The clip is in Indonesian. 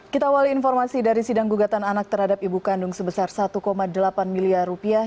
kita awali informasi dari sidang gugatan anak terhadap ibu kandung sebesar satu delapan miliar rupiah